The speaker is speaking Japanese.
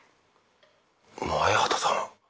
前畑さん。